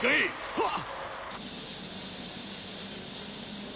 はっ！